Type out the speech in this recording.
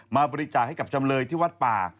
บริจาคให้กับจำเลยที่วัดป่า